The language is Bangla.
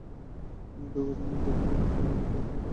দুর্ঘটনায় একটি ট্যাংকার ফুটো হয়ে সাগরে তেল ছড়িয়ে পড়তে শুরু করে।